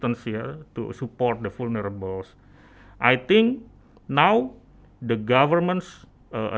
dan saya pikir sekarang pemerintah telah membantu menurut saya ya